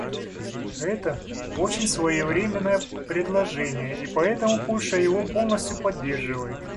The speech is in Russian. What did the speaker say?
Это — очень своевременное предложение, и поэтому Польша его полностью поддерживает.